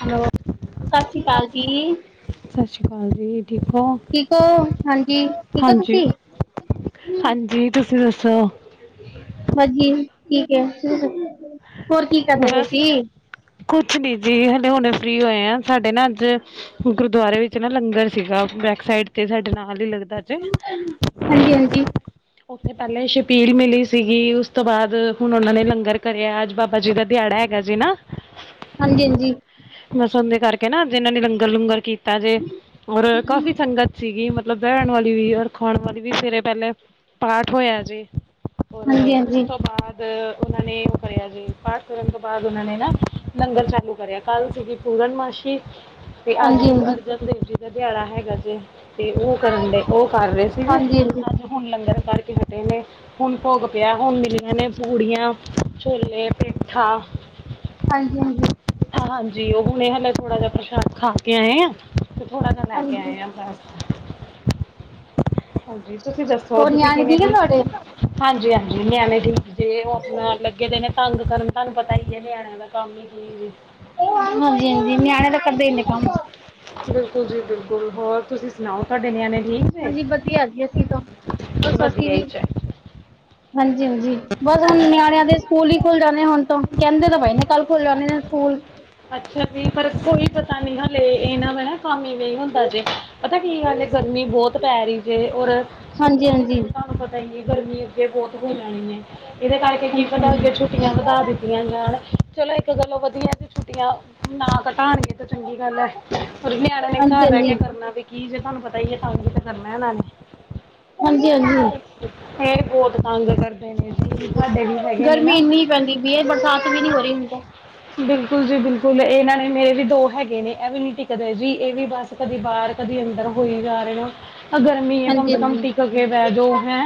Hello ਸ਼੍ਰੀ ਅਕਾਲ ਜੀ ਸਤਿ ਸ਼੍ਰੀ ਹਾਂਜੀ ਕੋ ਠੀਕ ਹੋ? ਹਾਂਜੀ, ਠੀਕ ਹੋ ਤੁਸੀਂ? ਹਾਂਜੀ-ਹਾਂਜੀ, ਤੁਸੀਂ ਦੱਸੋ? ਤ ਬਸ ਜੀ ਠੀਕ ਹੈ ਹੋਰ ਕੀ ਕਰਦੇ ਪਏ ਬਸ ਤੀ? ਕੁਛ ਨੀ ਜੀ ਹਲੇ ਹੁਣੇ ਫਰੀ ਹੋਏ ਆ ਸਾਡੇ ਨਾ ਅੱਜ ਗੁਰਦੁਆਰੇ ਵਿੱਚ ਨਾ ਲੰਗਰ ਸੀਗਾ। ਬੈਕ ਸਾਈਡ ਤੇ ਸਾਡੇ ਨਾਲ ਹੀ ਲੱਗਦਾ ਜੇ ਹਾਂਜੀ ਹਾਂਜੀ, ਉੱਥੇ ਪਹਿਲੇ ਛਪੀਲ ਮਿਲੀ ਸੀਗੀ ਉਸ ਤੋਂ ਬਾਅਦ ਹੁਣ ਉਹਨਾਂ ਨੇ ਲੰਗਰ ਕਰਿਆ ਅੱਜ ਬਾਬਾ ਹਾਜੀ ਦਾ ਦਿਹਾੜਾ ਹੈਗਾ ਜੀ ਨਾ ਹਾਂਜੀ-ਹਾਂਜੀ, ਉਣਾ ਦੇ ਕਰਕੇ ਨਾ ਜਿਨਾਂ ਨੇ ਲੰਗਰ ਲੂੰਗਰ ਕੀਤਾ ਜੇ ਔਰ ਕਾਫ਼ੀ ਸੰਗਤ ਸੀਗੀ ਮਤਲਬ ਬੈਹਿਣ ਵਾਲੀ ਵੀ ਔਰ ਖਾਣ ਵਾਲੀ ਵੀ ਸਵੇਰੇ ਪਹਿਲੇ ਪਾਠ ਹੋਇਆ ਜੀ ਹੋਰ ਹਾਂਜੀ ਉਸ ਹਾਂਜੀ, ਤੋਂ ਬਾਅਦ ਉਹਨਾਂ ਨੇ ਉਹ ਕਰਿਆ ਜੀ ਪਾਠ ਕਰਨ ਤੋਂ ਬਾਅਦ ਉਹਨਾਂ ਨੇ ਨਾ ਲੰਗਰ ਚਾਲੂ ਕਰਿਆ ਕੱਲ੍ਹ ਸੀਗੀ ਪੂਰਨਮਾਸੀ ਤੇ ਅੱਜ ਹਾਂਜੀ ਗੁਰੂ ਹਾਂਜੀ। ਹਾਂਜੀ ਅਰਜਨ ਦੇਵ ਜੀ ਦਾ ਦਿਹਾੜਾ ਹੈਗਾ ਜੇ ਤੇ ਉਹ ਕਰਨ ਡੇ ਉਹ ਕਰ ਰਹੇ ਸੀਗੇ ਹਾਂਜੀ, ਅੱਜ ਹੁਣ ਲੰਗਰ ਕਰਕੇ ਹਟੇ ਨੇ ਹੁਣ ਭੋਗ ਪਿਆ ਹੁਣ ਮਿਲੀਆਂ ਨੇ ਪੂੜੀਆਂ ਛੋਲੇ ਸਿੱਠਾਂ ਹਾਂਜੀ-ਹਾਂਜੀ, ਹਾਂਜੀ ਉਹ ਹੁਣੇ ਹਾਲੇ ਥੋੜਾ ਜਿਹਾ ਪ੍ਰਸ਼ਾਦ ਖਾ ਕੇ ਆਏ ਆ ਤੇ ਥੋੜਾ ਜਿਹਾ ਲੈ ਕੇ ਹਾਂਜੀ ਆਏ ਹਾਂ ਆਪ ਹਾਂਜੀ ਤੁਸੀਂ ਦੱਸੋ ਹੋਰ ਤੁਸੀਂ ਨਿਆਣੇ ਕਿਵੇਂ ਠੀਕ ਹੈ ਠੀ ਤੁਹਾਡੇ? ਹਾਂਜੀ-ਹਾਂਜੀ ਨਿਆਣੇ ਦੀ ਜੇ ਉਹ ਆਪਣਾ ਲੱਗੇ ਦੇ ਨੇ ਤੰਗ ਕਰਨ ਤੁਹਾਨੂੰ ਪਤਾ ਹੀ ਹੈ ਨਿਆਣਿਆਂ ਦਾ ਕੰਮ ਹੀ ਕੀ ਹਾਂਜੀ-ਹਾਂਜੀ ਨਿਆਣੇ ਤਾ ਕਰਦੇ ਹੀ ਨੇ ਕੰਮ ਬਿਲਕੁਲ ਜੀ ਬਿਲਕੁਲ ਹੋਰ ਤੁਸੀਂ ਸੁਣਾਓ ਤੁਹਾਡੇ ਨਿਆਣੇ? ਠੀਕ ਨੇ ਹਾਂਜੀ ਵਧੀਆ ਜੀ ਅਸੀਂ ਤੋਂ ਵੀ ਅਸੀਂ ਵਧੀਆ ਵੀ ਹੀ ਚਾਹੀਦਾ ਹਾਂਜੀ-ਹਾਂਜੀ, ਬਸ ਹੁਨ ਨਿਆਣਿਆਂ ਦੇ ਸਕੂਲ ਹੀ ਖੁੱਲ ਜਾਂਣੇ ਹੁਣ ਤੋਂ ਕਹਿੰਦੇ ਤਾਂ ਬਾਈ ਨੇ ਕੱਲ ਖੁੱਲ ਜਾਂਣੇ ਨੇ ਸਕੂਲ ਅੱਛਾ ਜੀ ਪਰ ਤਾਂ ਨਹੀਂ ਲੇ ਇਹਨਾਂ ਦਾ ਨਾ ਕੰਮ ਹੀ ਹੁੰਦਾ ਜੇ ਪਤਾ ਕੀ ਹੱਲੇ ਗਰਮੀ ਬਹੁਤ ਪੈ ਰਹੀ ਜੇ ਔਰ ਸਕੂਲਾਂ ਵਿੱਚ ਹਾਂਜੀ-ਹਾਂਜੀ ਤਾਂ ਤੁਹਾਨੂੰ ਪਤਾ ਹੀ ਹੈ ਗਰਮੀ ਅੱਗੇ ਬਹੁਤ ਹੋ ਜਾਣੀ ਐ ਇਹਦੇ ਕਰਕੇ ਕੀ ਹਾਂਜੀ ਪਤਾ ਹਾਂਜੀ ਅੱਗੇ ਛੁੱਟੀਆਂ ਵਧਾ ਦਿੱਤੀਆਂ ਜਾਣ ਚਲੋ ਇੱਕ ਗੱਲੋਂ ਵਧੀਆ ਤੇ ਛੁੱਟੀਆਂ ਨਾ ਕੱਟ ਲਗਾਣ ਗੇ ਤਾਂ ਚੰਗੀ ਗੱਲ ਹੈ ਪਰ ਨਿਆਣੇ ਹਾਂਜੀ ਹਾਂਜੀ ਘਰ ਰਹਿ ਕੇ ਹਾਂਜੀ ਕਰਨਾ ਵੀ ਕੀ ਜੇ ਤੁਹਾਨੂੰ ਪਤਾ ਹੀ ਹੈ ਕੰਮ ਹੀ ਤਾਂ ਕਰਨਾ ਇਹਨਾਂ ਨੇ ਹਾਂਜੀ-ਹਾਂਜੀ, ਇਹ ਬਹੁਤ ਤੰਗ ਕਰਦੇ ਨੇ ਸਾਡੇ ਵੀ ਹੈਗੇ ਨੇ ਗਰਮੀ ਨਾ ਇੰਨੀ ਪੈਂਦੀ ਪਈ ਹੈ ਬਰਸਾਤ ਵੀ ਨਹੀਂ ਹੋ ਰਹੀ ਹੁਣ ਤਾਂ ਬਿਲਕੁਲ ਜੀ ਬਿਲਕੁਲ ਇਹਨਾਂ ਨੇ ਮੇਰੇ ਵੀ ਦੋ ਹੈਗੇ ਨੇ ਇਹ ਵੀ ਨੀ ਟਿਕਦੇ ਜੀ ਇਹ ਵੀ ਬਸ ਕਦੀ ਬਾਹਰ ਕਦੀ ਅੰਦਰ ਹੋਈ ਜਾ ਰਹੇ ਹੋ ਗਰਮੀ ਹੈ ਕਮ ਹਾਂਜੀ ਸੇ ਹਾਂਜੀ ਕਮ ਟਿਕ ਕੇ ਵੇਜੋ ਹੈ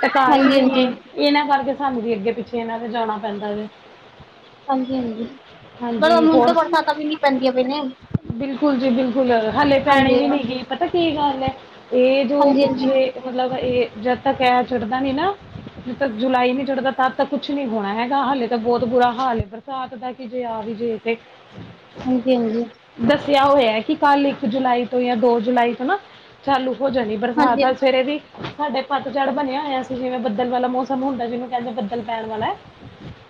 ਟਿਕਾਈ ਹੀ ਹਾਂਜੀ ਨਹੀਂ ਹਾਂਜੀ ਹੈ ਇਹਨਾਂ ਕਰਕੇ ਸਾਨੂੰ ਵੀ ਅੱਗੇ ਪਿੱਛੇ ਇਹਨਾਂ ਤੇ ਜਾਣਾ ਪੈਂਦਾ ਵ ਹਾਂਜੀ-ਹਾਂਜੀ ਪਰ ਮੁਨ ਤੋਂ ਹੋਰ ਬਰਸਾਤਾਂ ਵੀ ਨੀ ਪੈਂਦੀਆਂ ਪਈਏ, ਕੂਲ ਜੇ ਬਿਲ ਹਲੇ ਪੈਣੇ ਵੀ ਨਹੀਂ ਗਏ ਪਤਾ ਕੀ ਗੱਲ ਹੈ? ਇਹ ਜੋ ਹਾਂਜੀ ਹਾਂਜੀ ਪਿੱਛੇ, ਮਤਲਬ, ਇਹ ਜਦ ਤੱਕ ਕਹੀ ਚੜ੍ਹਦਾ ਨਹੀਂ, ਨਾ? ਜਦ ਤੱਕ ਜੁਲਾਈ ਨਹੀਂ ਚੜ੍ਹਦਾ, ਤਦ ਤੱਕ ਕੁਝ ਨਹੀਂ ਹੋਣਾ ਹੈਗਾ ਹਾਲੇ ਤਾ ਬਹੁਤ ਬੁਰਾ ਹਾਲ ਹੈ, ਬਰਸਾਤ ਦਾ ਕਿ ਜੇ ਆ ਵੀ। ਜਿਥ ਹਾਂਜੀ, ਹਾਂਜੀ। ਕਿਹਾ ਹੋਇਆ ਕਿ ਕੱਲ੍ਹ, ਇੱਕ ਜੁਲਾਈ ਤੋਂ ਜਾਂ ਦੋ ਜੁਲਾਈ ਤੋਂ, ਚਾਲੂ । ਹੋ ਜਾਂਦੀ ਬਰਸਾਤ, ਹਾਂਜੀ ਤਾਂ ਸਵੇਰੇ ਵੀ ਸਾਡੇ ਪਤਝੜ ਬਣਿਆ ਹੋਇਆ ਸੀ, ਜਿਵੇਂ ਬੱਦਲ । ਬੱਦਲ ਵਾਲਾ ਮੌਸਮ ਹੁੰਦਾ, ਜਿਹਨੂੰ ਕਹਿੰਦੇ ਹਨ, ਬੱਦਲ ਪੈਣ ਵਾਲਾ। ।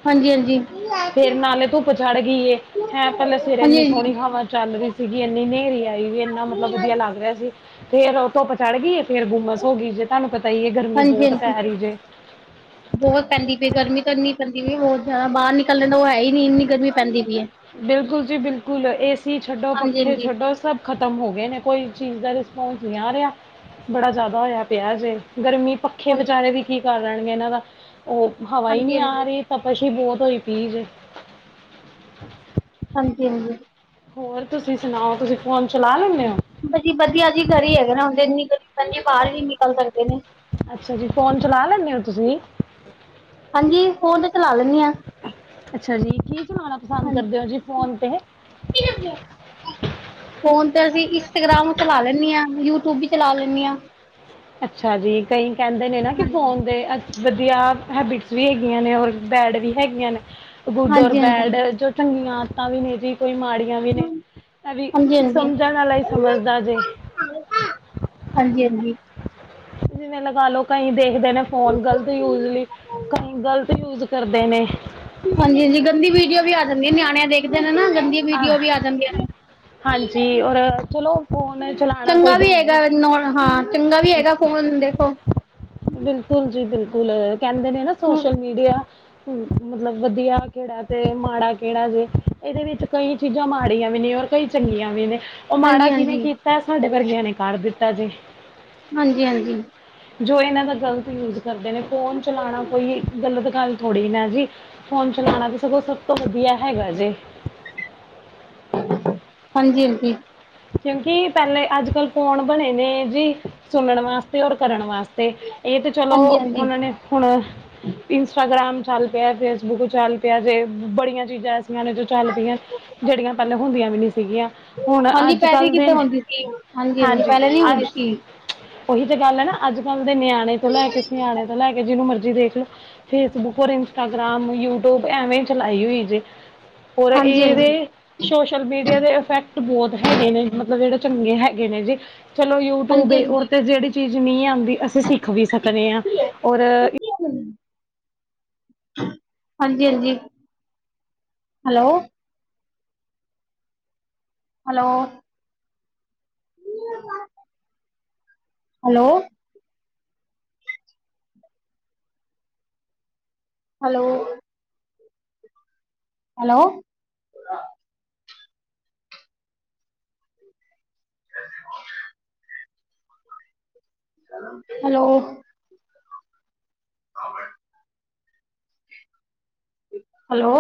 ਫੇਰ ਨਾਲੇ ਧੁੱਪ ਚੜ੍ਹ ਗਈ ਏ ਹੈ, ਪਹਿਲਾਂ ਸਵੇਰੇ ਇੰਨੀ ਹਾਂਜੀ ਸੋਹਣੀ ਹਵਾ ਚੱਲ ਰਹੀ ਸੀ। ਵੀਰ ਜੀ, ਇੰਨੀ ਹਨੇਰੀ ਆਈ ਇੰਨਾ ਮਤਲਬ ਵਧੀਆ ਲੱਗ ਰਿਹਾ ਸੀ, ਫਿਰ ਉਹ ਧੁੱਪ ਚੜ੍ਹ ਗਈ ਏ। ਫਿਰ ਗੁੰਮਸ ਹੋ ਗਈ। ਜੇ ਤੁਹਾਨੂੰ ਪਤਾ ਹੀ ਇਹ, ਗਰਮੀ ਹਾਂਜੀ ਬਹੁਤ ਹਾਂਜੀ ਪੈ ਰਹੀ ਜੇ। [inaudible] ਬਹੁਤ ਪੈਂਦੀ ਪਈ ਗਰਮੀ ਤਾਂ ਇੰਨੀ ਪੈਂਦੀ ਪਈ, ਬਹੁਤ ਜ਼ਿਆਦਾ। ਬਾਹਰ ਨਿਕਲਣ ਦਾ ਤਾਂ ਉਹ ਹੈ ਹੀ ਨਹੀਂ ਇੰਨੀ ਗਰਮੀ ਪੈਂਦੀ। ਪਈ ਹੈ ਬਿਲਕੁਲ ਜੀ, ਬਿਲਕੁਲ। ਏ ਸੀ ਛੱਡੋ, ਹਾਂਜੀ ਪੱਖੇ ਹਾਂਜੀ ਛੱਡੋ ਸਭ ਖ਼ਤਮ ਹੋ ਗਏ ਨੇ, ਕੋਈ ਚੀਜ਼ ਦਾ। [unintelligible] ਬੜਾ ਜ਼ਿਆਦਾ ਹੋਇਆ ਪਿਆ ਜੇ। ਗਰਮੀ ਪੱਖੇ ਹਾਂ ਵਿਚਾਰੇ ਕੀ! ਕਰ ਲੈਣਗੇ ਇਹਨਾਂ ਦਾ। ਉਹ ਹਵਾ ਹੀ ਹਾਂਜੀ ਨਹੀਂ ਆ ਹਾਂਜੀ ਰਹੀ, ਤਪਸ਼ ਸੱਚੀ ਬਹੁਤ ਹੋਈ ਪਈ ਜੇ ਹਾਂਜੀ, ਹਾਂਜੀ। ਹੋਰ, ਤੁਸੀਂ ਸੁਣਾਓ। ਤੁਸੀਂ ਫੋਨ ਚਲਾ ਲੈਂਦੇ ਹੋ? ਹਾਂਜੀ, ਵਧੀਆ ਜੀ। ਘਰ ਹੀ ਹੈਗੇ ਨਾ ਹੁੰਦੇ ਨਿਕਲ? ਹਾਂਜੀ, ਬਾਹਰ ਵੀ ਨਿਕਲ ਸਕਦੇ ਨੇ। ਅੱਛਾ ਜੀ, ਫੋਨ ਚਲਾ ਲੈਂਦੇ ਹੋ ਤੁਸੀਂ। ਹਾਂਜੀ ਫੋਨ ਤੇ ਚਲਾ ਲੈਣੀ ਆ ਅੱਛਾ ਜੀ, ਕੀ? ਸੁਣਾਉਣਾ ਪਸੰਦ ਕਰਦੇ ਹੋ ਜੀ, ਫੋਨ 'ਤੇ? ਫੋਨ ਅਸੀਂ ਇੰਸਟਾਗ੍ਰਾਮ ਚਲਾ ਲੈਂਦੇ ਹਾਂ, ਯੂਟਿਊਬ ਵੀ ਚਲਾ ਲੈਂਦੇ ਹਾਂ। ਅੱਛਾ ਜੀ, ਕਈ ਕਹਿੰਦੇ ਨੇ ਨਾ ਕਿ ਫੋਨ ਦੇ ਆ। ਵਧੀਆ ਹੈਬਿਟਸ ਵੀ ਹੈਗੀਆਂ ਨੇ, ਔਰ ਬੈਡ ਵੀ ਹੈਗੀਆਂ ਨੇ। ਗੁੱਡ ਓਰ ਹਾਂਜੀ ਹਾਂਜੀ ਬੈਡ, ਜੋ ਚੰਗੀਆਂ ਆਦਤਾਂ ਵੀ ਨੇ ਜੀ, ਕੋਈ ਮਾੜੀ। ਵੀ ਨੇ ਇਹ ਵੀ ਹਾਂਜੀ ਹਾਂਜੀ ਸਮਝਣ ਵਾਲਾ ਹੀ ਸਮਝਦਾ ਜੇ ਹਾਂ, ਹਾਂਜੀ, ਹਾਂਜੀ। ਜਿਵੇਂ ਲਗਾ ਲਓ, ਕਈ ਦੇਖਦੇ ਨੇ, ਫੋਨ ਗ਼ਲਤ ਯੂਜ਼ ਲਈ ਕਈ ਗ਼ਲਤ ਯੂਜ਼ ਕਰਦੇ ਨੇ। ਹਾਂਜੀ, ਹਾਂਜੀ। ਗੰਦੀ ਵੀਡੀਓ ਵੀ ਆ ਜਾਂਦੀਆਂ। ਨਿਆਣੇ ਦੇਖਦੇ ਨੇ ਨਾ, ਗੰਦੀ ਵੀਡੀਓ ਵੀ ਆ ਜਾਂਦੀਆਂ। ਹਾਂਜੀ [unintelligible] ਔਰ ਚਲੋ ਫੋਨ ਚਲਾਉਣਾ ਕੋਈ ਚੰਗਾ ਵੀ ਹੈਗਾ, ਗੰਦੀ ਹਾਂ, ਚੰਗਾ ਵੀ ਹੈਗਾ ਫੋਨ ਦੇਖੋ। ਬਿਲਕੁਲ ਜੀ, ਬਿਲਕੁਲ। ਕਹਿੰਦੇ ਨੇ ਨਾ, ਸੋਸ਼ਲ ਮੀਡੀਆ। ਮਤਲਬ, ਵਧੀਆ ਕਿਹੜਾ ਤੇ ਮਾੜਾ ਕਿਹੜਾ, ਜੇ ਇਹਦੇ ਵਿੱਚ? ਕਈ ਚੀਜ਼ਾਂ ਮਾੜੀਆਂ ਵੀ ਨੇ, ਔਰ ਕਈ ਚੰਗੀਆਂ ਵੀ ਨੇ। ਉਹ ਮਾੜਾ ਕਿਹਨੇ ਹਾਂਜੀ-ਹਾਂਜੀ, ਕੀਤਾ? ਸਾਡੇ ਵਰਗਿਆਂ ਨੇ ਕਰ ਦਿ। ਐਦੇ ਹਾਂਜੀ, ਹਾਂਜੀ। ਜੋ ਇਹਨਾਂ ਦਾ ਗ਼ਲਤ ਯੂਜ਼ ਕਰਦੇ ਨੇ ਫੋਨ ਚਲਾਉਣਾ ਕੋਈ ਗਲਤ ਗੱਲ ਥੋੜ੍ਹੀ ਨਾ ਜੀ ਫੋਨ, ਚਲਾਣਾ ਵੀ, ਸਗੋਂ, ਸਭ ਤੋਂ ਵਧੀਆ ਹੈਗਾ ਜੇ। ਹਾਂਜੀ, ਹਾਂਜੀ। ਕਿਉਂਕਿ ਪਹਿਲਾਂ ਅੱਜ-ਕੱਲ੍ਹ ਫੋਨ ਬਣੇ ਨੇ ਜੀ, ਸੁਣਨ ਵਾਸਤੇ ਔਰ ਕਰਨ ਵਾਸਤੇ। ਅਤੇ ਇਹ ਤਾਂ ਚਲੋ, ਹਾਂਜੀ-ਹਾਂਜੀ। ਹਾਂਜੀ ਹਾਂਜੀ ਹਾਂਜੀ ਉਹਨਾਂ ਨੇ ਹੁਣ ਇੰਸਟਾਗ੍ਰਾਮ 'ਚ। ਚੱਲ ਪਿਆ, ਫੇਸਬੁੱਕ ਚੱਲ ਪਿਆ। ਜੇ, ਬੜੀਆਂ ਚੀਜ਼ਾਂ ਐਸੀਆਂ ਨੇ ਜੋ ਚੱਲ ਪਈਆਂ, ਜਿਹੜੀਆਂ ਪਹਿਲਾਂ ਹੁੰਦੀਆਂ ਵੀ ਨਹੀਂ ਸੀ। ਸੀਗੀਆਂ। ਹੁਣ ਅੱਜ [unintelligible] ਕੱਲ੍ਹ ਦੇ ਕਿੱਦਾਂ ਹੁੰਦੀ ਸੀ? ਹਾਂਜੀ, ਹਾਂਜੀ, ਪਹਿਲਾਂ ਨਹੀਂ ਹੁੰਦੀ ਸੀ। ਉਹੀ ਤਾਂ ਗੱਲ ਹੈ ਨਾ, ਅੱਜ-ਕੱਲ੍ਹ ਦੇ ਨਿਆਣੇ ਤੋਂ ਲੈ ਕੇ ਸਿਆਣੇ ਤੱਕ। ਲੈ ਕੇ, ਜਿਹਨੂੰ ਮਰਜ਼ੀ ਦੇਖ ਲਓ ਫੇਸਬੁੱਕ, ਇੰਸਟਾਗ੍ਰਾਮ, ਯੂਟਿਊਬ ਐਵੇਂ ਹੀ ਚਲਾਈ ਓਹੀ ਜੇ। ਹੋਰ ਹਾਂਜੀ-ਹਾਂਜੀ, ਇਹਦੇ ਸੋਸ਼ਲ ਮੀਡੀਆ ਦੇ ਇਫੈਕਟ ਬਹੁਤ ਨ ਹੈਗੇ ਨੇ ਮਤਲਬ ਜਿਹੜੇ ਚੰਗੇ ਹੈਗੇ ਨੇ ਜੀ ਚਲੋ ਯੂਟਿਊਬ ਉ ਹਾਂਜੀ-ਹਾਂਜੀ। ਤੇ ਜਿਹੜੀ ਚੀਜ਼ ਨਹੀਂ ਆਂਦੀ ਅਸੀਂ ਸਿੱਖ ਵੀ ਸਕਨੇ ਆ, ਔਰ [unintelligible] ਹਾਂਜੀ ਹਾਂਜੀ hello hello [unintelligible] hello hello hello [unintelligible] hello [inaudible] hello